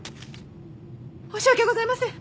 申し訳ございません。